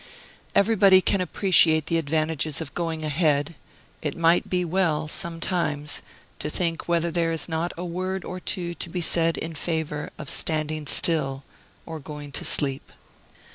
Everybody can appreciate the advantages of going ahead; it might be well, sometimes, to think whether there is not a word or two to be said in favor of standing still or going to sleep.